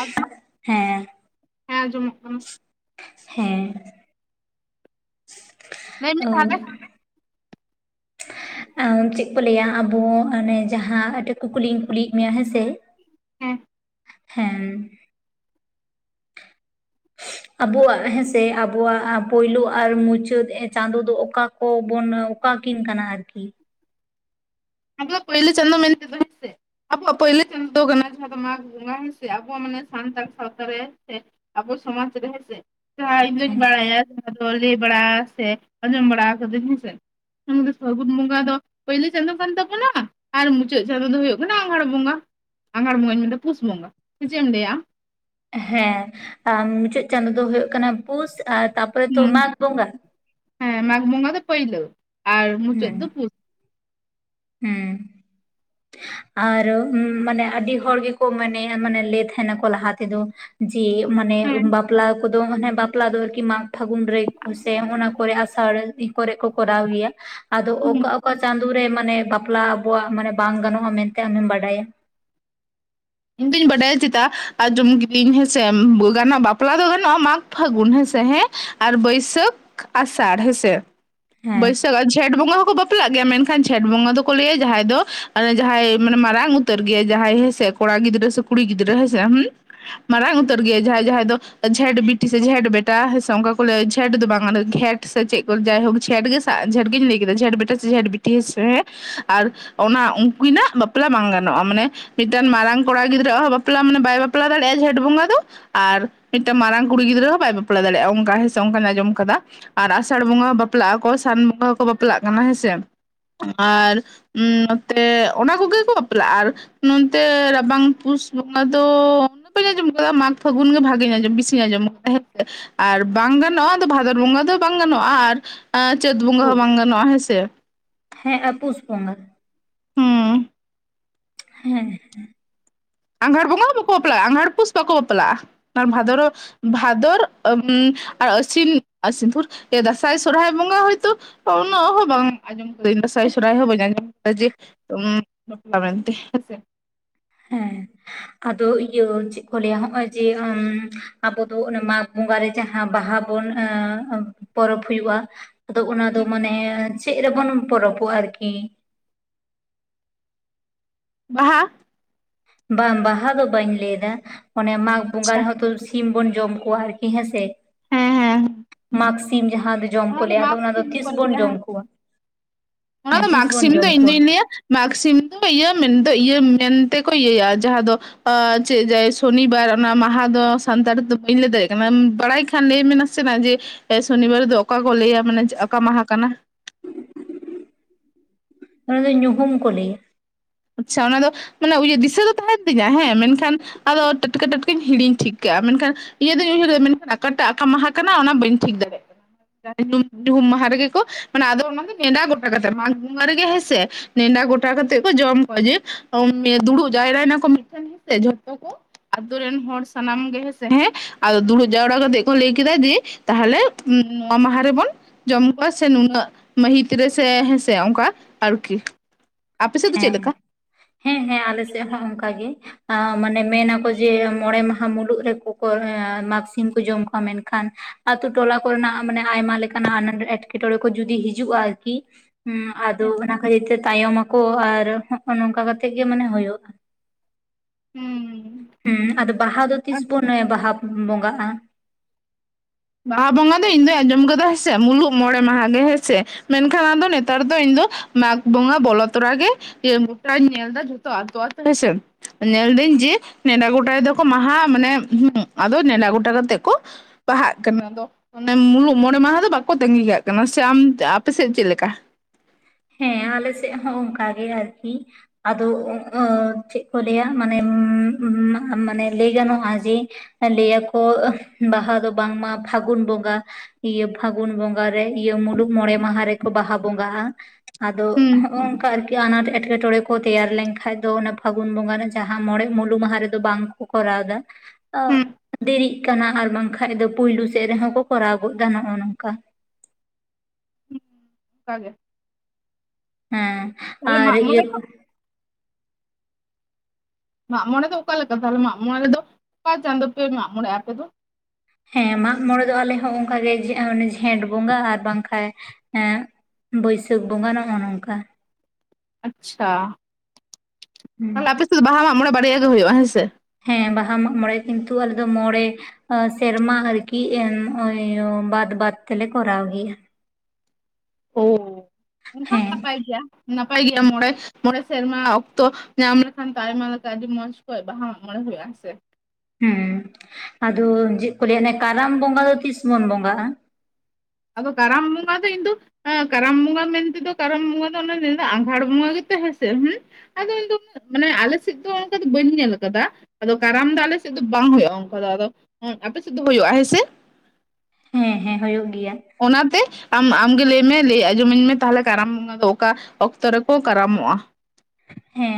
ᱟᱫᱚ ᱦᱮᱸ ᱦᱮᱸ ᱟᱸᱡᱚᱢᱚᱜ ᱠᱟᱱᱟ᱾ ᱦᱮᱸ ᱞᱟᱹᱭ ᱢᱮ ᱛᱟᱦᱚᱞᱮ ᱚ ᱪᱮᱫ ᱠᱚ ᱞᱟᱹᱭᱟ ᱟᱵᱚ ᱟᱱᱮ ᱡᱟᱦᱟᱸ ᱟᱴᱟᱜ ᱠᱩᱠᱞᱤᱧ ᱠᱩᱞᱤᱭᱮᱫ ᱢᱮᱭᱟ ᱦᱮᱸᱥᱮ ᱦᱮᱸ ᱦᱮᱸ ᱟᱵᱚᱣᱟᱜ ᱦᱮᱸᱥᱮ ᱟᱵᱚᱣᱟᱜ ᱯᱩᱭᱞᱩ ᱟᱨ ᱢᱩᱪᱟᱹᱫ ᱪᱟᱸᱫᱳ ᱫᱚ ᱚᱠᱟ ᱠᱚ ᱵᱚᱱ ᱚᱠᱟᱠᱤᱱ ᱠᱟᱱᱟ ᱟᱨᱠᱤ ᱟᱵᱚᱣᱟᱜ ᱯᱳᱭᱞᱳ ᱪᱟᱸᱫᱳ ᱢᱮᱱ ᱛᱮ ᱦᱮᱸ ᱥᱮ ᱟᱵᱚᱣᱟᱜ ᱯᱩᱭᱞᱩ ᱪᱟᱸᱫᱚ ᱠᱟᱱᱟ ᱡᱟᱦᱟᱸ ᱫᱚ ᱢᱟᱜᱽ ᱵᱚᱸᱜᱟ ᱦᱮᱸ ᱥᱮ ᱟᱵᱚᱣᱟᱜ ᱢᱟᱱᱮ ᱥᱟᱱᱛᱟᱲ ᱥᱟᱶᱛᱟ ᱨᱮ ᱮ ᱟᱵᱚ ᱥᱟᱢᱟᱡᱽ ᱨᱮ ᱦᱮᱸ ᱥᱮ ᱡᱟᱦᱟᱸ ᱤᱧ ᱫᱩᱧ ᱵᱟᱲᱟᱭᱟ ᱡᱟᱦᱟᱸ ᱫᱚ ᱞᱟᱹᱭ ᱵᱟᱲᱟ ᱥᱮ ᱟᱸᱡᱚᱢ ᱵᱟᱲᱟ ᱠᱟᱹᱫᱟᱹᱧ ᱦᱮᱸᱥᱮ ᱩᱱ ᱫᱚ ᱯᱷᱟᱹᱜᱩᱱ ᱵᱚᱸᱜᱟ ᱫᱚ ᱯᱩᱭᱞᱩ ᱪᱟᱸᱫᱚ ᱠᱷᱚᱱ ᱫᱚ ᱚᱱᱟ ᱟᱨ ᱢᱩᱪᱟᱹᱫ ᱪᱟᱸᱫᱚ ᱫᱚ ᱦᱩᱭᱩᱜ ᱠᱟᱱᱟ ᱟᱸᱜᱷᱟᱬ ᱵᱚᱸᱜᱟ ᱟᱜᱷᱟᱲ ᱵᱚᱸᱜᱟᱧ ᱢᱮᱱᱫᱟ ᱯᱩᱥ ᱵᱚᱸᱜᱟ ᱥᱮ ᱪᱮᱫ ᱮᱢ ᱞᱟᱹᱭᱟ ᱟᱢ ᱦᱮᱸ ᱟᱨ ᱢᱩᱪᱟᱹᱫ ᱪᱟᱸᱫᱚ ᱫᱚ ᱦᱩᱭᱩᱜ ᱠᱟᱱᱟ ᱯᱩᱥ ᱟᱨ ᱛᱟᱯᱚᱨᱮ ᱟᱢ ᱛᱚ ᱦᱮᱸ ᱢᱟᱜᱽ ᱵᱚᱸᱜᱟ ᱦᱮᱸ ᱢᱟᱜᱽ ᱵᱚᱸᱜᱟ ᱫᱚ ᱯᱟᱹᱭᱞᱩ ᱟᱨ ᱢᱩᱪᱟᱹᱫ ᱦᱮᱸ ᱫᱚ ᱯᱩᱥ ᱦᱮᱸ ᱟᱨ ᱢᱟᱱᱮ ᱟᱹᱰᱤ ᱦᱚᱲ ᱜᱮᱠᱚ ᱢᱟᱱᱮᱭᱟ ᱢᱟᱱᱮ ᱞᱮᱭ ᱛᱟᱦᱮᱱᱟᱠᱚ ᱞᱟᱦᱟ ᱛᱮᱫᱚ ᱡᱮ ᱢᱟᱱᱮ ᱦᱮᱸ ᱵᱟᱯᱞᱟ ᱠᱚᱫᱚ ᱟᱱᱮ ᱵᱟᱯᱞᱟ ᱫᱚ ᱟᱨᱠᱤ ᱢᱟᱜᱽ ᱯᱷᱟᱹᱜᱩᱱ ᱨᱮ ᱥᱮ ᱚᱱᱟ ᱠᱚᱨᱮ ᱟᱥᱟᱲ ᱛᱤᱱ ᱠᱚᱨᱮ ᱠᱚ ᱠᱚᱨᱟᱣ ᱜᱮᱭᱟ ᱟᱫᱚ ᱦᱮᱸ ᱚᱠᱟ ᱚᱠᱟ ᱪᱟᱸᱫᱚ ᱨᱮ ᱢᱟᱱᱮ ᱵᱟᱯᱞᱟ ᱟᱵᱚᱣᱟᱜ ᱢᱟᱱᱮ ᱵᱟᱝ ᱜᱟᱱᱚᱜᱼᱟ ᱢᱮᱱᱛᱮ ᱟᱢᱮᱢ ᱵᱟᱰᱟᱭᱟ ᱤᱧ ᱫᱩᱧ ᱵᱟᱰᱟᱭ ᱪᱮᱫᱟ ᱟᱸᱡᱚᱢ ᱠᱤᱫᱟᱹᱧ ᱦᱮᱸᱥᱮ ᱜᱟᱱᱚᱜᱼᱟ ᱵᱟᱯᱞᱟ ᱫᱚ ᱜᱟᱱᱚᱜᱼᱟ ᱢᱟᱟᱜ ᱯᱷᱟᱹᱜᱩᱱ ᱦᱮᱸᱥᱮ ᱦᱮᱸ ᱟᱨ ᱵᱟᱹᱭᱥᱟᱹᱠᱷ ᱟᱥᱟᱲ ᱦᱮᱸᱥᱮ ᱦᱮᱸ ᱵᱟᱹᱭᱥᱟᱹ ᱡᱷᱮᱴ ᱵᱚᱸᱜᱟ ᱦᱚᱸᱠᱚ ᱵᱟᱯᱞᱟᱜ ᱜᱮᱭᱟ ᱢᱮᱱᱠᱷᱟᱱ ᱡᱷᱮᱴ ᱵᱚᱸᱜᱟ ᱫᱚᱠᱚ ᱞᱟᱹᱭᱟ ᱡᱟᱦᱟᱸᱭ ᱫᱚ ᱡᱟᱦᱟᱸᱭ ᱢᱟᱱᱮ ᱢᱟᱨᱟᱝ ᱩᱛᱟᱹᱨ ᱩᱛᱟᱹᱨ ᱜᱮᱭᱟ ᱡᱟᱦᱟᱸᱭ ᱦᱮᱸᱥᱮ ᱠᱚᱲᱟ ᱜᱤᱫᱽᱨᱟᱹ ᱥᱮ ᱠᱩᱲᱤ ᱜᱤᱫᱽᱨᱟᱹ ᱦᱮᱸᱥᱮ ᱦᱮᱸ ᱢᱟᱨᱟᱝ ᱩᱛᱟᱹᱨ ᱜᱮ ᱡᱟᱦᱟᱸᱭ ᱡᱟᱦᱟᱸᱭ ᱫᱚ ᱡᱷᱮᱸᱴ ᱵᱤᱴᱤ ᱥᱮ ᱡᱷᱮᱸᱴ ᱵᱮᱴᱟ ᱥᱮ ᱚᱱᱠᱟ ᱠᱚ ᱞᱟᱹᱭᱟ ᱡᱷᱮᱸᱴ ᱫᱚ ᱵᱟᱝ ᱠᱟᱱᱟ ᱡᱷᱮᱸᱴ ᱥᱮ ᱪᱮᱫ ᱠᱚ ᱡᱟᱭᱦᱳᱠ ᱡᱷᱮᱴ ᱜᱮᱥ ᱡᱷᱮᱴᱜᱮᱧ ᱞᱟᱹᱭ ᱠᱮᱫᱟ ᱡᱷᱮᱴ ᱵᱤᱴᱴᱤ ᱥᱮ ᱡᱷᱮᱴ ᱵᱤᱴᱤ ᱦᱮᱥᱮ ᱦᱮᱸ ᱟᱨ ᱚᱱᱟ ᱩᱱᱠᱤᱱᱟᱜ ᱵᱟᱯᱞᱟ ᱵᱟᱝ ᱜᱟᱱᱚᱜᱼᱟ ᱢᱟᱱᱮ ᱢᱤᱫᱴᱟᱝ ᱢᱟᱨᱟᱝ ᱠᱚᱲᱟ ᱜᱤᱫᱽᱨᱟᱹᱣᱟᱜ ᱦᱚᱸ ᱵᱟᱯᱞᱟ ᱢᱟᱱᱮ ᱵᱟᱭ ᱵᱟᱯᱞᱟ ᱫᱟᱲᱮᱭᱟᱜᱼᱟ ᱡᱷᱮᱴ ᱵᱚᱸᱜᱟ ᱫᱚ ᱟᱨ ᱢᱤᱫᱴᱟᱝ ᱢᱟᱨᱟᱝ ᱠᱩᱲᱤ ᱜᱤᱫᱽᱨᱟᱹ ᱦᱚᱸ ᱵᱟᱭ ᱵᱟᱯᱞᱟ ᱫᱟᱲᱮᱭᱟᱜᱼᱟ ᱚᱱᱠᱟ ᱦᱮᱸ ᱥᱮ ᱚᱱᱠᱟᱧ ᱟᱸᱡᱚᱢ ᱠᱟᱫᱟ ᱟᱨ ᱟᱥᱟᱲ ᱵᱚᱸᱜᱟ ᱦᱚᱸ ᱵᱟᱯᱞᱟᱜ ᱟᱠᱚ ᱥᱟᱱ ᱵᱚᱸᱜᱟ ᱦᱚᱸᱠᱚ ᱵᱟᱯᱞᱟᱜ ᱠᱟᱱᱟ ᱦᱮᱸᱥᱮ ᱟᱨ ᱱᱚᱛᱮ ᱚᱱᱟ ᱠᱚᱜᱮ ᱠᱚ ᱵᱟᱯᱞᱟᱜᱼᱟ ᱟᱨ ᱛᱮ ᱨᱟᱵᱟᱝ ᱯᱩᱥ ᱵᱚᱸᱜᱟ ᱫᱚ ᱵᱟᱹᱧ ᱟᱸᱚᱢ ᱠᱟᱫᱟ ᱢᱟᱜᱽ ᱯᱷᱟᱹᱜᱩᱱ ᱜᱮ ᱵᱷᱟᱜᱤᱧ ᱟᱸᱡᱚᱢ ᱵᱤᱥᱤᱧ ᱟᱸᱚᱢᱫᱟᱸ ᱟᱨ ᱵᱟᱝ ᱜᱟᱱᱚᱜᱼᱟ ᱟᱫᱚ ᱵᱷᱟᱫᱚᱨ ᱵᱚᱸᱜᱟ ᱫᱚ ᱵᱟᱝ ᱜᱟᱱᱚᱜᱼᱟ ᱟᱨ ᱪᱟᱹᱛ ᱵᱚᱸᱜᱟ ᱦᱚᱸ ᱯᱩᱥ ᱵᱟᱝ ᱜᱟᱱᱚᱜᱼᱟ ᱦᱮᱸᱥᱮ? ᱦᱮᱸ ᱟᱯᱩᱥ ᱵᱚᱸᱜᱟ ᱦᱮᱸ ᱦᱮᱸᱸ ᱟᱸᱝᱷᱟᱲ ᱵᱚᱸᱜᱟ ᱦᱚᱸ ᱵᱟᱠᱚ ᱵᱟᱯᱞᱟᱜᱼᱟ ᱟᱸᱜᱷᱟᱲ ᱯᱩᱥ ᱵᱟᱠᱚ ᱵᱟᱯᱞᱟᱜᱼᱟ ᱟᱨ ᱵᱷᱟᱫᱚᱨ ᱵᱷᱟᱫᱚᱨ ᱟᱨ ᱟᱹᱥᱤᱱᱥᱤᱱ ᱫᱟᱸᱥᱟᱭ ᱥᱚᱨᱦᱟᱭ ᱵᱚᱸᱜᱟ ᱦᱚᱭᱛᱳ ᱚ ᱩᱱᱟᱜ ᱦᱚ ᱵᱟᱝᱚᱢ ᱟ ᱤᱧ ᱫᱟᱸᱥᱟᱭ ᱥᱚᱨᱦᱟᱭ ᱦᱚᱸ ᱵᱟᱹᱧ ᱟᱸᱡᱚᱢ ᱠᱮᱫᱫᱟ ᱡᱮ ᱵᱟᱯᱞᱟ ᱢᱮᱱᱛᱮ ᱦᱮᱸᱥᱮ ᱦᱮᱸ ᱟᱫᱚ ᱤᱭᱟᱹ ᱪᱮᱫ ᱠᱚ ᱞᱟᱹᱭᱟ ᱦᱚᱜᱼᱚᱭ ᱡᱮ ᱟᱵᱚ ᱫᱚ ᱢᱟᱜᱽ ᱵᱚᱸᱜᱟ ᱨᱮ ᱡᱟᱦᱟ ᱵᱟᱦᱟ ᱵᱚᱱ ᱯᱚᱨᱚᱵᱽ ᱦᱩᱭᱩᱜᱼᱟ᱾ ᱟᱫᱚ ᱚᱱᱟ ᱫᱚ ᱢᱟᱱᱮ ᱪᱮᱫ ᱨᱮᱵᱚᱱ ᱯᱚᱨᱚᱵᱚᱜᱼᱟ ᱟᱨᱠᱤ? ᱵᱟᱦᱟ ᱵᱟᱝ ᱵᱟᱦᱟ ᱫᱚ ᱵᱟᱹᱧ ᱞᱟᱹᱭ ᱮᱫᱟ ᱚᱱᱮ ᱢᱟᱜᱽ ᱵᱚᱸᱜᱟ ᱟᱪᱪᱷᱟ ᱨᱮᱦᱚᱸ ᱛᱚ ᱥᱤᱢ ᱵᱚᱱ ᱡᱚᱢ ᱠᱚᱣᱟ ᱟᱨᱠᱤ ᱦᱮᱸ ᱥᱮ ᱦᱮᱸ ᱦᱮᱸ ᱢᱟᱠ ᱥᱤᱢ ᱡᱟᱦᱟᱸ ᱡᱚᱢ ᱚᱱᱟ ᱠᱚ ᱫᱚ ᱞᱟᱹᱭᱟ ᱟᱫᱚ ᱢᱟᱜᱽ ᱥᱤᱢ ᱛᱤᱥ ᱠᱚ ᱵᱚᱱ ᱞᱟᱹᱭᱟ ᱡᱚᱢ ᱦᱮᱸᱥ ᱠᱚᱣᱟ ᱚᱱᱟ ᱦᱮᱸ ᱫᱚ ᱛᱤᱥ ᱢᱟᱜᱽ ᱵᱚᱱ ᱥᱤᱢ ᱫᱚ ᱡᱚᱢ ᱠᱚᱣᱟ ᱤᱧ ᱫᱩᱧ ᱞᱟᱹᱭᱟ ᱢᱟᱜᱽ ᱥᱤᱢ ᱫᱚ ᱤᱭᱟᱹ ᱢᱮᱱ ᱤᱭᱟᱹ ᱢᱮᱱᱛᱮᱠᱚ ᱤᱭᱟᱹᱭᱟ ᱡᱟᱦᱟᱸ ᱫᱚ ᱪᱮᱫ ᱡᱟᱭ ᱥᱚᱱᱤᱵᱟᱨ ᱚᱱᱟ ᱢᱟᱦᱟ ᱫᱚ ᱥᱟᱱᱛᱟᱲ ᱫᱚ ᱵᱟᱹᱧ ᱞᱟᱹᱭ ᱫᱟᱲᱮᱭᱟᱜ ᱠᱟᱱᱟ ᱵᱟᱲᱟᱭ ᱠᱷᱟᱱ ᱞᱟᱹᱭ ᱢᱮ ᱥᱮ ᱡᱮ ᱥᱚᱱᱤᱵᱟᱨ ᱫᱚ ᱚᱠᱟ ᱠᱚ ᱞᱟᱹᱭᱟ ᱢᱟᱱᱮ ᱚᱠᱟ ᱢᱟᱦᱟ ᱠᱟᱱᱟ? ᱚᱱᱟ ᱫᱚ ᱧᱩᱦᱩᱢ ᱠᱚ ᱞᱟᱹᱭᱟ ᱟᱪᱪᱷᱟ ᱚᱱᱟ ᱫᱚ ᱢᱟᱱᱮ ᱫᱤᱥᱟᱹ ᱫᱚ ᱛᱟᱦᱮᱱ ᱛᱤᱧᱟᱹ ᱦᱮᱸ ᱢᱮᱱᱠᱷᱟᱱ ᱟᱫᱚ ᱴᱟᱴᱠᱟ ᱴᱟᱴᱠᱟᱧ ᱦᱤᱲᱤᱧ ᱴᱷᱤᱠ ᱠᱟᱜᱼᱟ ᱢᱮᱱᱠᱷᱟᱱ ᱤᱭᱟᱹ ᱫᱚᱧ ᱩᱭᱦᱟᱹᱨ ᱞᱮᱫᱟᱫᱟ ᱢᱮᱱᱠᱷᱟᱱ ᱚᱠᱟᱴᱟᱜᱠᱟ ᱢᱟᱦᱟ ᱠᱟᱱᱟ ᱚᱱᱟ ᱵᱟᱹᱧ ᱴᱷᱤᱠ ᱫᱟᱲᱮᱭᱟᱜ [unintelligible] ᱧᱩᱦᱩᱢ ᱢᱟᱦᱟ ᱨᱮᱜᱮ ᱠᱚ ᱢᱟᱱᱮ ᱟᱫᱚ ᱚᱱᱟ ᱫᱚ ᱱᱮᱰᱟ ᱜᱚᱴᱟ ᱠᱟᱛᱮ ᱢᱟᱜᱽ ᱨᱮᱜᱮ ᱦᱮᱸᱥᱮ ᱱᱮᱰᱟ ᱜᱚᱴᱟ ᱠᱟᱛᱮᱜ ᱠᱚ ᱡᱚᱢ ᱠᱚᱣᱟ ᱡᱮ ᱫᱩᱲᱩᱵ ᱡᱟᱭᱨᱟᱭᱮᱱᱟ ᱠᱚ ᱢᱤᱫ ᱴᱮᱱ ᱡᱷᱚᱛᱚ ᱠᱚ ᱟᱛᱩ ᱨᱮᱱ ᱦᱚᱲ ᱥᱟᱱᱟᱢ ᱜᱮ ᱦᱸᱥᱮ ᱦᱮᱸ ᱟᱫᱚ ᱫᱩᱲᱩᱵ ᱡᱟᱣᱨᱟ ᱠᱟᱛᱮᱜ ᱠᱚ ᱞᱟᱹᱭ ᱠᱮᱫᱟ ᱡᱮ ᱛᱟᱦᱚᱞᱮ ᱱᱚᱶᱟ ᱢᱟᱦᱟ ᱨᱮᱵᱚᱱ ᱡᱚᱢ ᱠᱚᱣᱟ ᱥᱮ ᱱᱩᱱᱟᱹᱜ ᱢᱟᱹᱦᱤᱛ ᱨᱮᱥᱮ ᱦᱮᱸᱥᱮ ᱚᱱᱠᱟ ᱟᱨᱠᱤ ᱟᱯᱮ ᱥᱮᱫ ᱫᱚ ᱪᱮᱫ ᱦᱮᱸ ᱞᱮᱠᱟ? ᱦᱮᱸ ᱦᱮᱸ ᱟᱞᱮ ᱥᱮᱫ ᱦᱚᱸ ᱚᱱᱠᱟ ᱜᱮ᱾ ᱢᱟᱱᱮ ᱢᱮᱱᱟᱠᱚ ᱡᱮ ᱢᱚᱬᱮ ᱢᱟᱦᱟ ᱢᱩᱞᱩᱜ ᱨᱮᱠᱚ ᱢᱟᱜᱽᱥᱤᱢ ᱠᱚ ᱡᱚᱢ ᱠᱚᱣᱟ ᱢᱮᱱᱠᱷᱟᱱ ᱟᱹᱛᱩ ᱴᱚᱞᱟ ᱠᱚᱨᱮᱱᱟᱜ ᱢᱟᱱᱮ ᱟᱭᱢᱟ ᱞᱮᱠᱟᱱᱟᱜ ᱟᱱᱟ ᱮᱸᱴᱠᱮᱴᱚᱬᱮ ᱠᱚ ᱡᱚᱫᱤ ᱦᱤᱡᱩᱜᱼᱟ ᱟᱨᱠᱤ ᱦ ᱟᱫᱚ ᱚᱱᱟ ᱠᱷᱟᱹᱛᱤᱨ ᱛᱮ ᱛᱟᱭᱚᱢ ᱟᱠᱚ ᱟᱨ ᱦᱚᱜ ᱚ ᱱᱚᱝᱠᱟ ᱠᱟᱛᱮᱜ ᱜᱮ ᱢᱟᱱᱮ ᱦᱩᱭᱩᱜᱼᱟ ᱦᱩᱸ ᱦᱮᱸ ᱟᱫᱚ ᱵᱟᱦᱟ ᱫᱚ ᱛᱤᱥ ᱵᱩᱱ ᱵᱟᱦᱟ ᱵᱚᱸᱜᱟᱜᱼᱟ? ᱵᱟᱦᱟ ᱵᱚᱸᱜᱟ ᱫᱚ ᱤᱧ ᱫᱚᱩᱧ ᱟᱸᱡᱚᱢ ᱠᱟᱫᱟ ᱦᱮᱸᱥᱮ ᱢᱩᱞᱩᱜ ᱢᱚᱬᱮ ᱢᱟᱦᱟ ᱜᱮ ᱦᱮᱸᱥᱮ ᱢᱮᱱᱠᱷᱟᱱ ᱟᱫᱚ ᱱᱮᱛᱟᱨ ᱫᱚ ᱤᱧ ᱫᱚ ᱢᱟᱜᱽ ᱵᱚᱸᱜᱟ ᱵᱚᱞᱚ ᱛᱚᱨᱟ ᱜᱮ ᱤᱭᱟᱹ ᱢᱚᱴᱟᱧ ᱧᱮᱞ ᱫᱟ ᱡᱷᱚᱛᱚ ᱟᱛᱳ ᱟᱛᱳ ᱦᱤᱥᱟ. ᱧᱮᱞᱫᱟᱹᱧ ᱡᱮ ᱱᱮᱰᱟ ᱜᱚᱴᱟᱭ ᱫᱟᱠᱚ ᱢᱟᱦᱟᱼᱟ ᱢᱟᱱᱮ ᱟᱫᱚ ᱱᱮᱰᱟ ᱜᱚᱴᱟ ᱠᱟᱛᱮᱜ ᱠᱚ ᱵᱟᱦᱟᱜ ᱟᱫᱚ ᱚᱱᱮ ᱢᱩᱞᱩᱜ ᱢᱚᱬᱮ ᱢᱟᱦᱟ ᱫᱚ ᱵᱟᱠᱚ ᱛᱟᱸᱜᱤ ᱠᱟᱜ ᱠᱟᱱᱟ ᱥᱮ ᱟᱢ ᱟᱯᱮᱥᱮᱫ ᱪᱮᱫ ᱞᱮᱠᱟ? ᱦᱮᱸ ᱟᱞᱮ ᱥᱮᱫ ᱦᱚᱸ ᱚᱱᱠᱟ ᱜᱮ ᱟᱨᱠᱤ ᱟᱫᱚ ᱪᱮᱫ ᱠᱚ ᱞᱟᱹᱭᱟ ᱢᱟᱱᱮ ᱢᱟᱱᱮ ᱞᱟᱹᱭ ᱜᱟᱱᱚᱜᱼᱟ ᱡᱮ ᱞᱟᱹᱭᱟᱠᱚ ᱵᱟᱦᱟ ᱫᱚ ᱵᱟᱝᱢᱟ ᱯᱷᱟᱹᱜᱩᱱ ᱵᱚᱸᱜᱟ ᱤᱭᱟᱹ ᱯᱷᱟᱹᱜᱩᱱ ᱵᱚᱸᱜᱟ ᱨᱮ ᱤᱭᱟᱹ ᱢᱩᱞᱩᱜ ᱢᱚᱬᱮ ᱢᱟᱦᱟ ᱨᱮᱠᱚ ᱵᱟᱦᱟ ᱵᱚᱸᱜᱟᱜᱼᱟ ᱟᱫᱚ ᱦᱩᱸ ᱦᱚᱠᱚᱝ ᱠᱟ ᱟᱨᱠᱤ ᱟᱱᱟᱴ ᱮᱴᱠᱮᱴᱚᱬᱮ ᱠᱚ ᱠᱚ ᱛᱮᱭᱟᱨ ᱞᱮᱱᱠᱷᱟᱡ ᱫᱚ ᱛᱮᱭᱟᱨ ᱞᱮᱝᱠᱷᱟᱡ ᱫᱚ ᱚᱱᱟ ᱯᱷᱟᱹᱜᱩᱱ ᱵᱚᱸᱜᱟ ᱨᱮ ᱡᱟᱦᱟᱸ ᱢᱚᱬᱮ ᱢᱩᱞᱩ ᱢᱟᱦᱟ ᱨᱮᱫᱚ ᱵᱟᱝ ᱠᱚ ᱠᱚᱨᱟᱣ ᱫᱟ ᱦᱩᱸ ᱫᱤᱨᱤᱜ ᱠᱟᱱᱟ ᱟᱨ ᱵᱟᱝᱠᱷᱟᱱᱡ ᱫᱚ ᱯᱩᱭᱞᱩ ᱥᱮᱫ ᱨᱮᱦᱚᱸ ᱠᱚ ᱠᱚᱨᱟᱣ ᱜᱚᱫ ᱫᱟ ᱱᱚᱜᱼᱚ ᱱᱚᱝᱠᱟ ᱠᱟ ᱜᱮ ᱦᱮᱸ ᱛᱟᱦᱞᱮ ᱟᱨ ᱢᱟᱜ ᱤᱭᱟᱹ ᱢᱚᱬᱮ ᱫᱚ ᱢᱟᱜ ᱢᱚᱬᱮ ᱫᱚ ᱚᱠᱟ ᱞᱮᱠᱟ ᱛᱟᱦᱚᱞᱮ ᱢᱟᱜ ᱢᱚᱬᱮ ᱫᱚ ᱚᱠᱟ ᱪᱟᱸᱫᱳ ᱯᱮ ᱢᱟᱜ ᱢᱚᱬᱮᱭᱟ ᱟᱯᱮ ᱫᱚ ᱦᱮᱸ ᱢᱟᱜ ᱢᱚᱲᱮ ᱫᱚ ᱟᱞᱮ ᱦᱚᱸ ᱚᱱᱠᱟᱜ ᱡᱷᱮᱸᱴ ᱵᱚᱸᱜᱟ ᱟᱨ ᱵᱟᱝᱠᱷᱟᱡ ᱵᱟᱹᱭᱥᱟᱹᱠᱷ ᱵᱚᱸᱜᱟ ᱱᱚᱜᱼᱚ ᱱᱚᱝᱠᱟ ᱟᱪᱪᱷᱟ ᱦᱩᱸ ᱛᱟᱦᱚᱞᱮ ᱟᱯᱮ ᱥᱮᱫ ᱫᱚ ᱵᱟᱦᱟ ᱢᱟ ᱢᱚᱬᱮ ᱵᱟᱨᱭᱟ ᱜᱮ ᱦᱩᱭᱩᱜᱼᱟ ᱦᱮᱸ ᱥᱮ ᱦᱮᱸ ᱵᱟᱦᱟ ᱢᱟᱜ ᱢᱬᱮ ᱠᱤᱱᱛᱩ ᱟᱞᱮ ᱫᱚ ᱢᱚᱬᱮ ᱥᱮᱨᱢᱟ ᱟᱨᱠᱤ ᱵᱟᱫ ᱵᱟᱫ ᱛᱮᱞᱮ ᱠᱚᱨᱟᱣ ᱜᱮᱭᱟ ᱳ ᱚᱱᱠᱟ ᱦᱮᱸ ᱱᱟᱯᱟᱭ ᱜᱮᱭᱟ ᱱᱟᱯᱟᱭ ᱜᱮᱭᱟ ᱢᱚᱬᱮ ᱢᱚᱬᱮ ᱥᱮᱨᱢᱟ ᱚᱠᱛᱚ ᱧᱟᱢ ᱞᱮᱠᱷᱟᱱ ᱟᱭᱢᱟ ᱞᱮᱠᱟ ᱟᱹᱰᱤ ᱢᱚᱸᱡᱽ ᱠᱚᱡ ᱵᱟᱦᱟ ᱢᱚᱬᱮ ᱦᱩᱭᱩᱜᱼᱟ ᱥᱮ ᱦᱮᱸ ᱟᱫᱚ ᱪᱮᱫ ᱠᱚ ᱞᱟᱹᱭᱟ ᱚᱱᱮ ᱠᱟᱨᱟᱢ ᱵᱚᱸᱜᱟ ᱫᱚ ᱛᱤᱥ ᱵᱚᱱ ᱵᱚᱸᱜᱟᱼᱟ᱾ ᱟᱫᱚ ᱠᱟᱨᱟᱢ ᱵᱚᱸᱜᱟ ᱫᱚ ᱤᱧ ᱫᱚ ᱠᱟᱨᱟᱢ ᱵᱚᱸᱜᱟ ᱢᱮᱱᱛᱮᱫᱚ ᱠᱟᱨᱟᱢ ᱵᱚᱸᱜᱟ ᱫᱚ ᱚᱱᱮ ᱟᱸᱜᱷᱟᱲ ᱵᱚᱸᱜᱟ ᱜᱮ ᱛᱚ ᱦᱮᱸᱥᱮ ᱦᱩ ᱟᱫᱚ ᱤᱧ ᱫᱚ ᱩᱱᱟᱹᱜ ᱢᱟᱱᱮ ᱟᱞᱮᱥᱮᱫ ᱫᱚ ᱚᱱᱠᱟ ᱫᱚ ᱵᱟᱹᱧ ᱧᱮᱞ ᱟᱠᱟᱫᱟ ᱟᱫᱚ ᱠᱟᱨᱟᱢ ᱫᱚ ᱟᱞᱮᱥᱮᱫ ᱫᱚ ᱵᱟᱝ ᱦᱩᱭᱩᱜᱼᱟ ᱚᱱᱠᱟ ᱫᱚ ᱟᱫᱚ ᱟᱯᱮ ᱥᱮᱫ ᱫᱚ ᱦᱩᱭᱩᱜᱼᱟ ᱦᱮᱸᱥᱮ ᱦᱮᱸ ᱦᱮᱸ ᱦᱩᱭᱩᱜ ᱜᱮᱭᱟ᱾ ᱚᱱᱟᱛᱮ ᱟᱢ ᱟᱢᱜᱮ ᱞᱟᱹᱭᱢᱮ ᱞᱟᱹᱭ ᱟᱸᱡᱚᱢᱟᱹᱧ ᱢᱮ ᱛᱟᱦᱚᱞᱮ ᱠᱟᱨᱟᱢ ᱵᱚᱸᱜᱟ ᱫᱚ ᱚᱠᱟ ᱚᱠᱛᱚ ᱨᱮᱠᱚ ᱠᱟᱨᱟᱢᱚᱜᱼᱟ᱾ ᱦᱮᱸ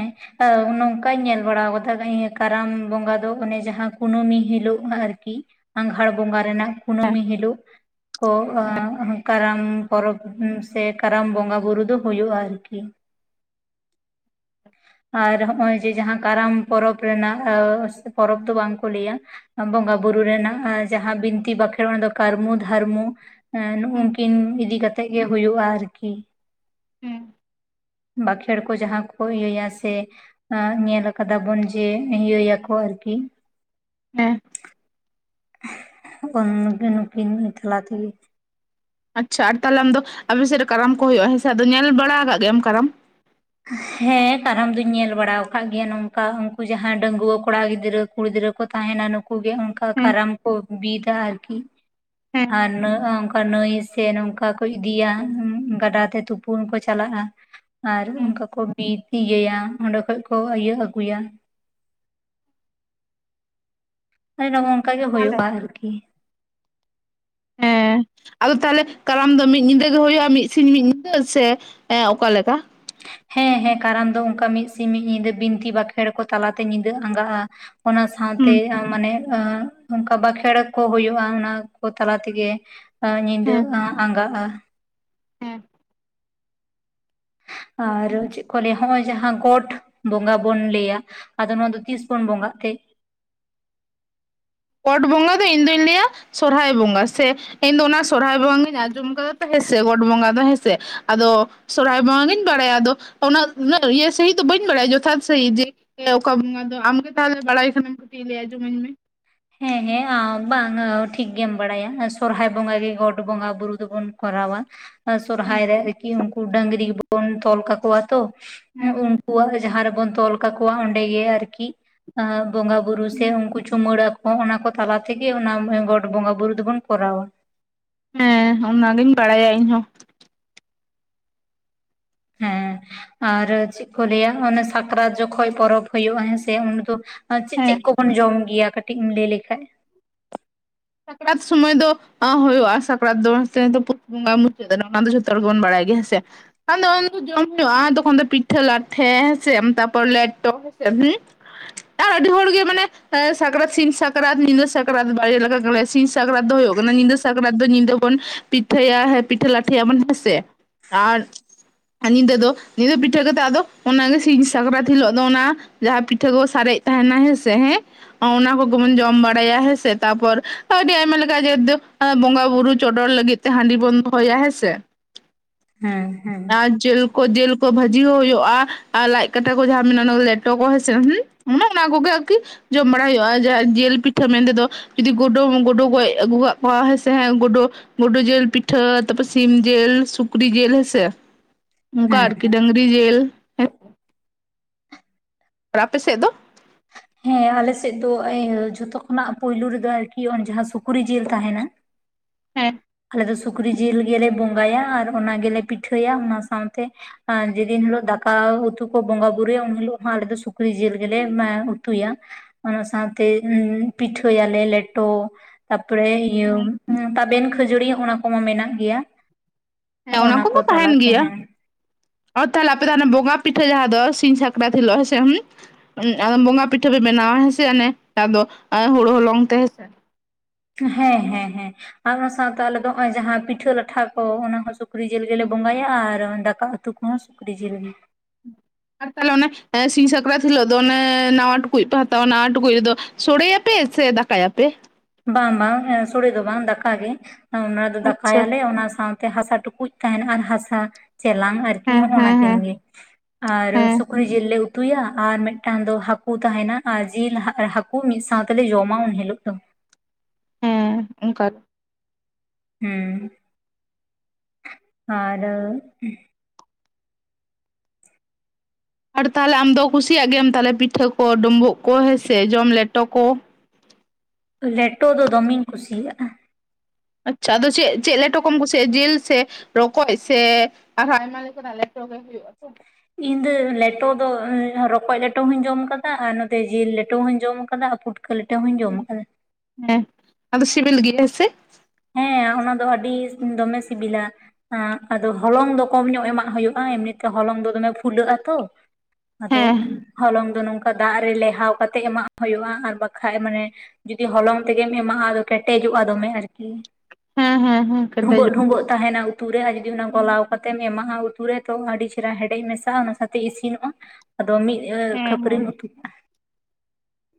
ᱱᱚᱝᱠᱟᱧ ᱧᱮᱞ ᱵᱟᱲᱟᱣ ᱠᱟᱫᱟ ᱠᱟᱨᱟᱢ ᱵᱚᱸᱜᱟ ᱫᱚ ᱚᱱᱮ ᱡᱟᱦᱟᱸ ᱠᱩᱱᱟᱹᱢᱤ ᱦᱤᱞᱳᱜ ᱟᱨᱠᱤ ᱟᱜᱷᱟᱲ ᱵᱚᱸᱜᱟ ᱨᱮᱱᱟᱜ ᱦᱮᱸ ᱠᱩᱱᱟᱹᱢᱤ ᱦᱤᱞᱚᱜ ᱠᱚ ᱠᱟᱨᱟᱢ ᱯᱚᱨᱚᱵ ᱥᱮ ᱠᱟᱨᱟᱢ ᱵᱚᱸᱜᱟ ᱵᱩᱨᱩ ᱫᱚ ᱦᱩᱭᱩᱜᱼᱟ ᱟᱨᱠᱤ ᱟᱨ ᱦᱚᱸᱜᱼᱚᱭ ᱡᱮ ᱡᱟᱦᱟᱸ ᱠᱟᱨᱟᱢ ᱯᱚᱨᱚᱵᱽ ᱨᱮᱱᱟᱜ ᱯᱚᱨᱚᱵᱽ ᱫᱚ ᱵᱟᱝᱠᱚ ᱞᱟᱹᱭᱟ ᱵᱚᱸᱜᱟ ᱵᱩᱨᱩ ᱨᱮᱱᱟᱜ ᱡᱟᱦᱟᱸ ᱵᱤᱱᱛᱤ ᱵᱟᱸᱠᱷᱮᱬ ᱚᱱᱟ ᱫᱚ ᱠᱟᱹᱨᱢᱩ ᱫᱷᱟᱨᱢᱩ ᱦᱮᱸ ᱱᱩᱜᱩᱝᱠᱤᱱ ᱤᱫᱤ ᱠᱟᱛᱮᱜ ᱜᱮ ᱦᱩᱭᱩᱜᱼᱟ ᱟᱨᱠᱤ ᱦᱩᱸ ᱵᱟᱸᱠᱷᱮᱲ ᱠᱚ ᱡᱟᱦᱟᱸ ᱠᱚ ᱤᱭᱟᱹᱭᱟ ᱥᱮ ᱥᱮ ᱧᱮᱞ ᱟᱠᱟᱫᱟᱵᱚᱱ ᱡᱮ ᱤᱭᱟᱹᱭᱟᱠᱚ ᱟᱨᱠᱤ ᱦᱮᱸ ᱱᱩᱠᱤᱱ ᱮᱠᱞᱟ ᱛᱮ ᱜᱮ ᱟᱪᱪᱷᱟ ᱟᱨ ᱛᱟᱦᱚᱞᱮ ᱟᱢ ᱫᱚ ᱟᱯᱮ ᱥᱮᱫ ᱨᱮ ᱠᱟᱨᱟᱢ ᱠᱚ ᱦᱩᱭᱩᱜᱼᱟ ᱦᱮᱸ ᱥᱮ ᱟᱫᱚ ᱧᱮᱞ ᱵᱟᱲᱟ ᱟᱠᱟᱫ ᱜᱮᱭᱟᱢ ᱠᱟᱨᱟᱢ᱾ ᱦᱮᱸ ᱠᱟᱨᱟᱢ ᱫᱩᱧ ᱧᱮᱞ ᱵᱟᱲᱟᱣ ᱟᱠᱟᱫ ᱜᱮᱭᱟ ᱱᱚᱝᱠᱟ ᱩᱱᱠᱩ ᱡᱟᱦᱟᱸᱭ ᱰᱟᱸᱜᱩᱣᱟᱹ ᱠᱚᱲᱟ ᱜᱤᱫᱽᱨᱟᱹ ᱠᱩᱲᱤ ᱜᱤᱫᱽᱨᱟᱹ ᱠᱚ ᱛᱟᱦᱮᱱᱟ ᱱᱩᱠᱩ ᱜᱮ ᱚᱱᱠᱟ ᱦᱮᱸ ᱠᱟᱨᱟᱢ ᱠᱚ ᱵᱤᱫᱟ ᱟᱨᱠᱤ ᱦᱮᱸ ᱟᱨ ᱱᱟᱹ ᱱᱟᱹᱭ ᱥᱮ ᱱᱚᱝᱠᱟ ᱠᱚ ᱤᱫᱤᱭᱟ ᱜᱟᱰᱟᱛᱮ ᱛᱩᱯᱩᱱ ᱠᱚ ᱪᱟᱞᱟᱜᱼᱟ᱾ ᱟᱨ ᱦᱮᱸ ᱚᱱᱠᱟ ᱠᱚ ᱵᱤᱫ ᱤᱭᱟᱹᱭᱟ ᱚᱸᱰᱮ ᱠᱷᱚᱡ ᱠᱚ ᱤᱭᱟᱹ ᱟᱹᱜᱩᱭᱟ ᱟᱨᱮ ᱱᱚᱜᱼᱚ ᱚᱝᱠᱟ ᱜᱮ ᱛᱟᱦᱚᱞᱮ ᱦᱳᱭᱳᱜᱼᱟ ᱟᱨᱠᱤ ᱦᱮᱸ [inaudible] ᱟᱫᱚ ᱛᱟᱦᱚᱞᱮ ᱠᱟᱨᱟᱢ ᱫᱚ ᱢᱤᱫ ᱧᱤᱫᱟᱹ ᱜᱮ ᱦᱳᱭᱳᱜᱼᱟ ᱢᱤᱫ ᱥᱤᱧ ᱢᱤᱫ ᱧᱤᱫᱟᱹ ᱥᱮ ᱚᱠᱟ ᱞᱮᱠᱟ? ᱦᱮᱸ ᱦᱮᱸ ᱠᱟᱨᱟᱢ ᱫᱚ ᱚᱱᱠᱟ ᱢᱤᱫ ᱥᱤᱧ ᱢᱤᱫ ᱧᱤᱫᱟᱹ ᱵᱤᱱᱛᱤ ᱵᱟᱸᱠᱷᱮᱲ ᱠᱚ ᱛᱟᱞᱟᱛᱮ ᱧᱤᱫᱟᱹ ᱟᱸᱜᱟᱼᱟ᱾ ᱚᱱᱟ ᱥᱟᱶᱛᱮ ᱦᱩᱸ ᱟ ᱢᱟᱱᱮ ᱟᱸᱜ ᱚᱱᱠᱟ ᱵᱟᱸᱠᱷᱮᱬ ᱠᱚ ᱦᱳᱭᱳᱜᱼᱟ ᱚᱱᱟ ᱠᱚ ᱛᱟᱞᱟ ᱛᱮᱜᱮ ᱟᱨ ᱧᱤᱫᱟᱹ ᱦᱮᱸ ᱦᱮᱸ ᱟ ᱟᱸᱜᱟᱼᱟ᱾ ᱦᱮᱸ ᱟᱨ ᱪᱮᱫ ᱠᱚ ᱞᱟᱹᱭᱟ ᱱᱚᱜᱼᱚᱭ ᱡᱟᱦᱟᱸ ᱜᱚᱴ ᱵᱚᱸᱜᱟ ᱵᱚᱱ ᱞᱟᱹᱭᱟ ᱟᱫᱚ ᱱᱚᱣᱟ ᱫᱚ ᱛᱤᱥ ᱵᱩᱱ ᱵᱚᱸᱜᱟ ᱛᱮ ᱯᱚᱴ ᱵᱚᱸᱜᱟ ᱫᱚ ᱤᱧ ᱫᱩᱧ ᱞᱟᱹᱭᱟ ᱥᱚᱨᱚᱦᱟᱭ ᱵᱚᱸᱜᱟ ᱥᱮ ᱤᱧ ᱫᱚ ᱚᱱᱟ ᱥᱚᱨᱦᱟᱭ ᱵᱚᱸᱜᱟ ᱜᱤᱧ ᱟᱸᱡᱚᱢ ᱠᱟᱫᱟ ᱛᱚ ᱦᱮᱸᱥᱮ ᱜᱚᱴ ᱵᱚᱸᱜᱟ ᱫᱚ ᱦᱮᱸᱥᱮ ᱟᱫᱚ ᱥᱚᱨᱦᱟᱭ ᱵᱚᱸᱜᱟ ᱜᱤᱧ ᱵᱟᱲᱟᱭᱟ ᱟᱫᱚ ᱩᱱᱟᱹᱜ ᱤᱭᱟᱹ ᱥᱟᱺᱦᱤᱡᱽ ᱫᱚ ᱵᱟᱹᱧ ᱵᱟᱲᱟᱭᱟ ᱡᱚᱛᱷᱟᱛ ᱥᱟᱺᱦᱤᱡᱽ ᱡᱮ ᱚᱠᱟ ᱵᱚᱸᱜᱟ ᱫᱚ ᱟᱢᱜᱮ ᱛᱟᱦᱚᱞᱮ ᱵᱟᱲᱟᱭ ᱠᱷᱟᱱᱮᱢ ᱠᱟᱹᱴᱤᱡᱽ ᱞᱟᱸᱭ ᱟᱡᱚᱢᱟᱹᱧ ᱢᱮ ᱦᱮᱸ ᱦᱮᱸ ᱟᱢ ᱵᱟᱝ ᱴᱷᱤᱠ ᱜᱮᱢ ᱵᱟᱲᱟᱭᱟ ᱥᱚᱨᱦᱟᱭ ᱵᱚᱸᱜᱟ ᱜᱮ ᱜᱚᱴ ᱵᱚᱸᱜᱟ ᱵᱩᱨᱩ ᱫᱚᱵᱩᱱ ᱠᱚᱨᱟᱣᱟ ᱾ ᱦᱮᱸ ᱥᱚᱨᱦᱟᱭ ᱨᱮ ᱟᱨᱠᱤ ᱩᱱᱠᱩ ᱰᱟᱹᱝᱨᱤ ᱵᱚᱱ ᱛᱚᱞ ᱠᱟᱠᱚᱣᱟ ᱛᱚ ᱦᱮᱸ ᱩᱱ ᱣᱟᱜ ᱡᱟᱦᱟᱸ ᱨᱮᱵᱚᱱ ᱛᱚᱞ ᱠᱟᱠᱚᱣᱟ ᱚᱸᱰᱮ ᱜᱮ ᱟᱨᱠᱤ ᱟᱸ ᱵᱚᱸᱜᱟ ᱵᱩᱨᱩ ᱥᱮ ᱩᱱᱠᱩ ᱪᱩᱢᱟᱹᱲᱟ ᱠᱚ ᱦᱚᱸ ᱚᱱᱟ ᱠᱚ ᱛᱟᱞᱟ ᱛᱮᱜᱮ ᱚᱱᱟ ᱜᱚᱰ ᱵᱚᱸᱜᱟ ᱵᱩᱨᱩ ᱫᱚᱵᱩᱱ ᱠᱚᱨᱟᱣᱟ᱾ ᱦᱮᱸ ᱚᱱᱟᱜᱤᱧ ᱵᱟᱲᱟᱭᱟ ᱤᱧ ᱦᱚᱸ᱾ ᱦᱮᱸ ᱟᱨ ᱪᱮᱫ ᱠᱚ ᱞᱟᱹᱭᱟ ᱚᱱᱮ ᱥᱟᱠᱨᱟᱛ ᱡᱚᱠᱷᱚᱡ ᱯᱚᱨᱚᱵᱽ ᱦᱩᱭᱩᱜᱼᱟ ᱦᱮᱸᱥᱮ ᱩᱱ ᱫᱚ ᱟᱨ ᱪᱮᱫ ᱦᱮᱸ ᱪᱮᱫ ᱠᱚᱵᱚᱱ ᱡᱚᱢ ᱜᱮᱭᱟ ᱠᱟᱹᱴᱤᱡ ᱮᱢ ᱞᱟᱹᱭ ᱞᱮᱠᱷᱟᱡ ᱥᱟᱠᱨᱟᱛ ᱥᱚᱢᱚᱭ ᱫᱚ ᱟᱸ ᱦᱩᱭᱩᱜᱼᱟ ᱥᱟᱠᱨᱟᱛ ᱫᱚ [unintelligible] ᱯᱩᱥ ᱵᱚᱸᱜᱟ ᱢᱩᱪᱟᱹᱫ ᱨᱮ ᱚᱱᱟ ᱫᱚ ᱡᱚᱛᱚ ᱦᱚᱲ ᱜᱮᱵᱚᱱ ᱵᱟᱲᱟᱭ ᱜᱮᱭᱟ ᱦᱮᱸ ᱥᱮ ᱟᱫᱚ [unintelligible] ᱡᱚᱢ ᱦᱩᱭᱩᱜᱼᱟ ᱛᱚᱠᱷᱚᱱ ᱫᱚ ᱯᱤᱴᱷᱟᱹ ᱞᱟᱴᱷᱮ ᱦᱮᱸ ᱥᱮ ᱛᱟᱨᱯᱚᱨ ᱞᱮᱴᱚ ᱦᱮᱸ ᱥᱮ ᱦᱩᱢ ᱟᱨ ᱟᱹᱰᱤ ᱦᱚᱲ ᱜᱮ ᱢᱟᱱᱮ ᱥᱟᱠᱨᱟᱛ ᱥᱤᱧ ᱥᱟᱠᱨᱟᱛ ᱧᱤᱫᱟᱹ ᱥᱟᱠᱨᱟᱛ ᱵᱟᱨᱭᱟ ᱞᱮᱠᱟ ᱥᱤᱧ ᱥᱟᱠᱨᱟᱛ ᱫᱚ ᱦᱳᱭᱳᱜ ᱠᱟᱱᱟ, ᱧᱤᱫᱟᱹ ᱥᱟᱠᱨᱟᱛ ᱫᱚ ᱧᱤᱫᱟᱹ ᱵᱚᱱ ᱯᱤᱴᱷᱟᱹᱭᱟ ᱯᱤᱴᱷᱟᱹ ᱞᱟᱴᱷᱭᱟ ᱵᱚᱱ ᱦᱮᱸ ᱥᱮ, ᱟᱨ ᱟᱨ ᱧᱤᱫᱟᱹ ᱫᱚ ᱧᱤᱫᱟᱹ ᱯᱤᱴᱷᱟᱹ ᱠᱟᱛᱮ ᱟᱫᱚ ᱚᱱᱟᱜᱮ ᱥᱤᱧ ᱥᱟᱠᱨᱟᱛ ᱦᱤᱞᱳᱜ ᱫᱚ ᱚᱱᱟ ᱡᱟᱦᱟᱸ ᱯᱤᱴᱷᱟᱹ ᱠᱚ ᱥᱟᱨᱮᱡ ᱛᱟᱦᱮᱱᱟ ᱦᱮᱸ ᱥᱮ ᱦᱮᱸ ᱚᱱᱟ ᱠᱚᱜᱮᱵᱚᱱ ᱡᱚᱢ ᱵᱟᱲᱟᱭᱟ ᱦᱮᱸ ᱥᱮ ᱛᱟ ᱯᱚᱨ ᱟᱹᱰᱤ ᱟᱭᱢᱟ ᱞᱮᱠᱟ ᱜᱮ ᱡᱮᱛᱩ ᱵᱚᱸᱜᱟ ᱵᱩᱨᱩ ᱪᱚᱰᱚᱨ ᱞᱟᱹᱜᱤᱫ ᱛᱮ ᱦᱟᱺᱰᱤ ᱵᱚᱱ ᱫᱚᱦᱚᱭᱟ ᱦᱮᱸ ᱥᱮ ᱦᱮᱸ ᱦᱮᱸ ᱟᱨ ᱡᱮᱞ [unintelligible] ᱠᱚ ᱡᱮᱞ ᱠᱚ ᱵᱷᱟᱹᱡᱤ ᱦᱚᱸ ᱦᱳᱭᱳᱜᱼᱟ ᱟᱨ ᱞᱟᱡ ᱠᱟᱴᱟ ᱠᱚ ᱡᱟᱦᱟᱸ ᱢᱮᱱᱟᱜᱼᱟ ᱚᱱᱟ ᱞᱮᱴᱚ ᱠᱚ ᱦᱮ ᱥᱮ ᱦᱩᱢ ᱚᱱᱟ ᱚᱱᱟ ᱠᱚᱜᱮ ᱟᱨᱠᱤ ᱡᱚᱢ ᱵᱟᱲᱟᱭ ᱦᱳᱭᱳᱜᱼᱟ ᱡᱟᱦᱟᱸ ᱡᱮᱞ ᱯᱤᱴᱷᱟᱹ ᱢᱮᱱ ᱛᱮᱫᱚ ᱡᱩᱫᱤ ᱜᱩᱰᱩᱢ ᱜᱩᱰᱩ ᱜᱚᱡ ᱟᱹᱜᱩ ᱠᱟᱜ ᱠᱚᱣᱟ ᱦᱮᱸ ᱥᱮ ᱦᱮᱸ ᱜᱩᱰᱳ ᱜᱩᱰᱩ ᱡᱮᱞ ᱯᱤᱴᱷᱟᱹ ᱛᱟ ᱯᱚ ᱥᱤᱢ ᱡᱮᱞ ᱥᱩᱠᱨᱤ ᱡᱮᱞ ᱦᱮᱸ ᱥᱮ ᱱᱚᱝᱠᱟ ᱦᱮᱸ ᱦᱮᱸ ᱟᱨᱠᱤ ᱰᱟᱝᱨᱤ ᱡᱮᱞ ᱟᱨ ᱟᱯᱮ ᱥᱮᱡ ᱫᱚ ᱦᱮᱸ ᱟᱞᱮ ᱥᱮᱡ ᱫᱚ ᱮ ᱡᱷᱚᱛᱚ ᱠᱷᱚᱱᱟᱜ ᱯᱩᱭᱞᱩ ᱨᱮᱫᱚ ᱟᱨᱠᱤ ᱚᱭ ᱡᱟᱦᱟᱸ ᱥᱩᱠᱨᱤ ᱡᱤᱞ ᱛᱟᱦᱮᱱᱟ ᱦᱮᱸ, ᱟᱞᱮ ᱫᱚ ᱥᱩᱠᱨᱤ ᱡᱤᱞ ᱜᱮᱞᱮ ᱵᱚᱸᱜᱟᱭᱟ ᱟᱨ ᱚᱱᱟ ᱜᱮᱞᱮ ᱯᱤᱴᱷᱟᱹᱭᱟ ᱚᱱᱟ ᱥᱟᱶᱛᱮ ᱟᱸ ᱡᱮᱫᱤᱱ ᱦᱤᱞᱳᱜ ᱫᱟᱠᱟ ᱩᱛᱩ ᱠᱚ ᱵᱚᱸᱜᱟ ᱵᱩᱨᱩᱭᱟ ᱩᱱ ᱦᱤᱞᱳᱜ ᱦᱚᱸ ᱟᱞᱮ ᱫᱚ ᱥᱩᱠᱨᱤ ᱡᱤᱞ ᱜᱮᱞᱮ ᱩᱛᱩᱭᱟ ᱚᱱᱟ ᱥᱟᱶᱛᱮ ᱩᱱᱻ ᱯᱤᱴᱷᱟᱹᱭᱟᱞᱮ ᱞᱮᱴᱚ ᱛᱟᱯᱚᱨᱮ ᱤᱭᱟᱹ ᱦᱮᱸ ᱛᱟᱵᱮᱱ ᱠᱷᱟᱹᱡᱟᱹᱲᱤ ᱚᱱᱟ ᱠᱚᱢᱟ ᱢᱮᱱᱟᱜ ᱜᱮᱭᱟ᱾ ᱦᱮᱸ ᱦᱚᱸᱜᱼ ᱚᱱᱟ ᱱᱟ ᱠᱚ ᱠᱚᱢᱟ ᱛᱟᱦᱮᱱ ᱛᱟᱞᱟᱛᱮ ᱜᱮᱭᱟ ᱦᱮᱸ᱾ ᱟᱨ ᱛᱟᱦᱚᱞᱮ ᱟᱯᱮ ᱛᱟᱦᱮ ᱵᱚᱸᱜᱟ ᱯᱤᱴᱟᱹ ᱡᱟᱦᱟᱸ ᱫᱚ ᱥᱤᱧ ᱥᱟᱠᱨᱟᱛ ᱥᱮ ᱦᱮᱸ ᱦᱩᱢ ᱟ ᱵᱚᱸᱜᱟ ᱯᱤᱴᱷᱟᱹ ᱯᱮ ᱵᱮᱱᱟᱣᱟ ᱦᱮᱸ ᱥᱮ ᱚᱱᱮ ᱟᱫᱚ ᱦᱩᱲᱩ ᱦᱚᱞᱚᱝ ᱛᱮ ᱦᱮᱸ ᱥᱮ ᱦᱮᱸ ᱦᱮ ᱦᱮᱸ ᱟᱨ ᱚᱱᱟ ᱥᱟᱶᱛᱮ ᱟᱞᱮ ᱫᱚ ᱱᱚᱜ ᱚᱭ ᱡᱟᱦᱟᱸ ᱯᱤᱴᱷᱟᱹ ᱞᱟᱴᱷᱟ ᱠᱚ ᱚᱱᱟ ᱥᱩᱠᱨᱤ ᱡᱮᱞ ᱜᱮᱞᱮ ᱦᱮᱸ ᱵᱚᱸᱜᱟᱭᱟ ᱟᱨ ᱫᱟᱠᱟ ᱩᱛᱩ ᱠᱚᱦᱚᱸ ᱥᱩᱠᱨᱤ ᱡᱤᱞ ᱜᱮ᱾ ᱟᱨ ᱛᱟᱦᱚᱞᱮ ᱚᱱᱮ ᱥᱤᱧ ᱥᱟᱠᱨᱟᱛ ᱦᱤᱞᱳᱜ ᱫᱚ ᱚᱱᱮ ᱱᱟᱣᱟ ᱴᱩᱠᱩᱡ ᱯᱮ ᱦᱟᱛᱟᱣᱟ ᱱᱟᱣᱟ ᱴᱩᱠᱩᱡ ᱨᱮᱫᱚ ᱥᱚᱲᱮᱭᱟᱯᱮ ᱥᱮ ᱫᱟ- ᱠᱟᱭᱟᱯᱮ [unintelligible] ᱵᱟᱝ ᱵᱟᱝ ᱦᱮᱸ ᱥᱚᱲᱮ ᱫᱚ ᱵᱟᱝ ᱫᱟᱠᱟᱜᱮ ᱚᱱᱟ ᱫᱚ ᱟᱪᱪᱷᱟ ᱫᱟᱠᱟᱭᱟᱞᱮ ᱚᱱᱟ ᱥᱟᱶ ᱛᱮ ᱦᱟᱥᱟ ᱴᱩᱠᱩᱡ ᱛᱟᱦᱮᱱ ᱟᱨ ᱦᱟᱥᱟ ᱪᱮᱞᱟᱝ ᱟᱨᱠᱤ ᱦᱮᱸ ᱦᱚᱸᱜᱼ ᱱᱟ ᱦᱮᱸ ᱠᱤᱱ ᱦᱮᱸ ᱜᱮ ᱟᱨ ᱦᱮᱸ ᱥᱩᱠᱨᱤ ᱡᱤᱞ ᱞᱮ ᱩᱛᱩᱭᱟ ᱟᱨ ᱢᱤᱫᱴᱟᱝ ᱫᱚ ᱦᱟᱹᱠᱩ ᱛᱩ ᱛᱟᱦᱮᱱᱟ ᱟᱨ ᱡᱤᱞ ᱦᱟᱠᱩ [unintelligible] ᱦᱩᱭ ᱢᱤᱫ ᱥᱟᱶ ᱛᱮᱞᱮ ᱡᱚᱢᱟ ᱩᱱ ᱦᱤᱞᱳᱜ ᱫᱚ [unintelligible] ᱦᱮᱸ ᱟᱨ ᱟᱨ ᱛᱟᱦᱚᱞᱮ ᱟᱢ ᱫᱚ ᱠᱩᱥᱤᱭᱟᱜ ᱜᱮᱭᱟᱢ ᱛᱟᱦᱚᱞᱮ ᱯᱤᱴᱷᱟᱹ ᱠᱚ ᱰᱩᱸᱵᱩᱜ ᱠᱚ ᱦᱮᱸᱥᱮ ᱡᱚᱢ ᱞᱮᱴᱚ ᱠᱚ ᱞᱮᱴᱚ ᱫᱚ ᱫᱚᱢᱮᱧ ᱠᱩᱥᱤᱭᱟᱜᱼᱟ ᱟᱪᱷᱟ ᱟᱫᱚ ᱪᱮᱫ ᱪᱮᱫ ᱞᱮᱴᱚ ᱠᱚᱢ ᱠᱩᱥᱤ [unintelligible] ᱪᱮᱫ ᱡᱤᱞ ᱥᱮ ᱨᱚᱠᱚᱡ ᱥᱮ ᱟᱨᱦᱚᱸ ᱟᱭᱢᱟ ᱞᱮᱠᱟᱱᱟᱜ ᱞᱮᱴᱚᱜᱮ ᱦᱩᱭᱩᱜᱼᱟ ᱤᱧ ᱫᱚ ᱞᱮᱴᱚ ᱫᱚ ᱨᱚᱠᱚᱡ ᱞᱮᱴᱚ ᱦᱚᱧ ᱡᱚᱢ ᱟᱠᱟᱫᱟ ᱟᱨ ᱱᱚᱛᱮ ᱡᱤᱞ ᱞᱮᱴᱚ ᱦᱚᱧ ᱡᱚᱢ ᱟᱠᱟᱫᱟ ᱯᱩᱴ ᱠᱟᱹ ᱞᱤᱴᱟᱹ ᱦᱚᱧ ᱡᱚᱢ ᱠᱟᱫᱟ ᱦᱮᱸ ᱟᱫᱚ ᱥᱮᱵᱮᱞ ᱜᱮᱭᱟ ᱦᱮᱸ ᱥᱮ ᱦᱮᱸ ᱚᱱᱟ ᱫᱚ ᱟᱹᱰᱤ ᱫᱚᱢᱮ ᱥᱤᱵᱤᱞᱟ ᱦᱮᱸ ᱟᱫᱚ ᱦᱚᱞᱚᱝ ᱫᱚ ᱠᱚᱢ ᱧᱚᱜ ᱮᱢᱟᱜ ᱦᱩᱭᱩᱜᱼᱟ ᱮᱢᱱᱤᱛᱮ ᱦᱚᱞᱚᱝ ᱫᱚ ᱫᱚᱢᱮ ᱯᱷᱩᱞᱟᱹᱜ ᱟᱛᱚ ᱟᱫᱚ ᱦᱮᱸ ᱦᱚᱞᱚᱝ ᱫᱚ ᱱᱚᱝᱠᱟ ᱫᱟᱜ ᱨᱮ ᱞᱮᱣᱦᱟᱣ ᱠᱟᱛᱮᱜ ᱮᱢᱟᱜ ᱦᱩᱭᱩᱜᱼᱟ ᱟᱨ ᱵᱟᱠᱷᱟᱡ ᱢᱟᱱᱮ ᱡᱩᱫᱤ ᱦᱚᱞᱚᱝ ᱛᱮᱜᱮᱢ ᱮᱢᱟᱜᱼᱟ ᱟᱫᱚ ᱠᱮᱴᱮᱡᱚᱜᱼᱟ ᱫᱚᱢᱮ ᱟᱨᱠᱤ ᱦᱮᱸ ᱦᱮᱸ ᱦᱮᱸ ᱰᱷᱩᱸᱵᱚᱜ ᱠᱮᱴᱮᱡᱚᱜᱼᱟ ᱰᱷᱩᱸᱵᱚᱜ ᱛᱟᱦᱮᱱᱟ ᱩᱛᱩ ᱨᱮ ᱟᱨ ᱡᱩᱫᱤ ᱚᱱᱟ ᱦᱩᱸ ᱜᱚᱞᱟᱣ ᱠᱟᱛᱮᱢ ᱮᱢᱟᱜᱼᱟ ᱩᱛᱩ ᱨᱮ ᱛᱚ ᱟᱹᱰᱤ ᱪᱮᱦᱨᱟ ᱦᱮᱰᱮᱡ ᱢᱮᱥᱟᱜᱼᱟ ᱚᱱᱟᱛᱮ ᱛᱮ ᱤᱥᱤᱱᱚᱜᱼᱟ ᱟᱫᱚ ᱢᱤᱫ ᱦᱮᱸ ᱠᱷᱟᱹᱯᱟᱹᱨᱤᱢ ᱦᱮᱸ ᱩᱛᱩ ᱠᱟᱜᱼᱟ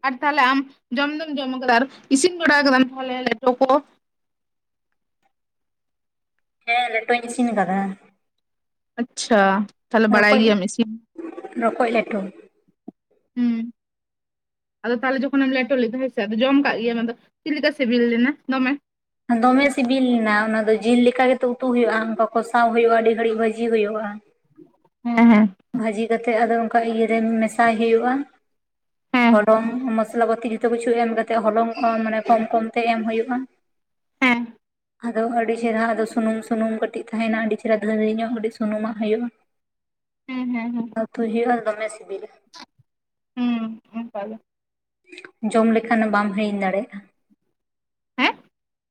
ᱟᱨ ᱛᱟᱦᱚᱞᱮ ᱟᱢ ᱡᱚᱢ ᱫᱚᱢ ᱡᱚᱢ ᱠᱟᱫᱟ ᱟᱨ ᱤᱥᱤᱱ ᱵᱟᱲᱟ ᱠᱟᱫᱟᱢ ᱛᱟᱦᱚᱞᱮ ᱞᱮᱴᱚ ᱠᱚ ᱦᱮᱸ ᱞᱮᱴᱚᱧ ᱤᱥᱤᱱ ᱠᱟᱫᱟ ᱟᱪᱪᱷᱟ ᱛᱟᱦᱚᱞᱮ ᱵᱟᱲᱟᱭ ᱨᱚᱠᱚᱡ ᱜᱮᱭᱟᱢ ᱤᱥᱤᱱ ᱨᱚᱠᱚᱡ ᱞᱮᱴᱚ ᱦᱩᱸ ᱟᱫᱚ ᱛᱟᱦᱚᱞᱮ ᱡᱚᱠᱷᱚᱱᱮᱢ ᱞᱮᱴᱚ ᱞᱮᱫᱟ ᱦᱮᱸᱥᱮ ᱟᱫᱚ ᱡᱚᱢ ᱠᱟᱜ ᱜᱮᱭᱟᱢ ᱟᱫᱚ ᱪᱮᱫ ᱞᱮᱠᱟ ᱥᱮᱵᱮᱞ ᱞᱮᱱᱟ ᱫᱚᱢᱮ ᱫᱚᱢᱮ ᱥᱤᱵᱤᱞ ᱞᱮᱱᱟ ᱚᱱᱟ ᱫᱚ ᱡᱤᱞ ᱞᱮᱠᱟ ᱜᱮᱛᱚ ᱩᱛᱩ ᱦᱩᱭᱩᱜᱼᱟ ᱚᱱᱠᱟ ᱠᱚᱥᱟᱣ ᱦᱩᱭᱩᱜᱼᱟ ᱟᱹᱰᱤ ᱜᱷᱟᱹᱲᱤᱡ ᱵᱷᱟᱹᱡᱤ ᱦᱩᱭᱩᱜᱼᱟ ᱦᱮᱸ ᱵᱷᱟᱹᱡᱤ ᱠᱟᱛᱮᱜ ᱟᱫᱚ ᱚᱱᱠᱟ ᱤᱭᱟᱹ ᱨᱮ ᱢᱮᱥᱟᱭ ᱦᱩᱭᱩᱜᱼᱟ ᱦᱮᱸ ᱦᱚᱞᱚᱝ ᱢᱚᱥᱞᱟ ᱯᱟᱛᱤ ᱡᱷᱚ ᱡᱚᱛᱚ ᱠᱤᱪᱷᱩ ᱮᱢ ᱠᱟᱛᱮᱫ ᱦᱚᱞᱚᱝ ᱢᱟᱱᱮ ᱠᱚᱢ ᱠᱚᱢᱛᱮ ᱮᱢ ᱦᱩᱭᱩᱜᱼᱟ ᱦᱮᱸ ᱟᱫᱚ ᱟᱹᱰᱤ ᱪᱮᱨᱦᱟ ᱟᱫᱚ ᱥᱩᱱᱩᱢ ᱥᱩᱱᱩᱢ ᱠᱟᱹᱴᱤᱡ ᱛᱟᱦᱮᱱᱟ ᱟᱹᱰᱤ ᱪᱮᱦᱨᱟ ᱫᱷᱟᱹᱨ ᱧᱚᱜ ᱟᱹᱰᱤ ᱥᱩᱱᱩᱢᱟᱜ ᱦᱩᱭᱩᱜᱼᱟ ᱦᱮᱸ ᱦᱮᱸ ᱦᱮᱸ ᱚᱛᱩᱭ ᱦᱩᱭᱩᱜᱼᱟ ᱟᱫᱚ ᱫᱚᱢᱮ ᱥᱤᱵᱤᱞᱟ ᱦᱩᱸ ᱚᱝᱠᱟᱜᱮ ᱡᱚᱢ ᱞᱮᱠᱷᱟᱱ ᱵᱟᱢ ᱦᱤᱲᱤᱧ ᱫᱟᱲᱮᱭᱟᱜᱼᱟ ᱦᱮᱸ